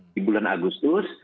di bulan agustus